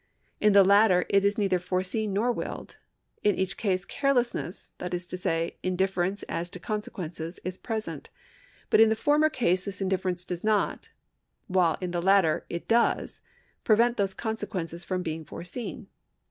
In the latter it is neither foreseen nor willed. In each case carelessness, that is to say, indifference as to consequences, is present ; but in the former case this indifTerence does not, while in the latter it does prevent these consequences from being foreseen.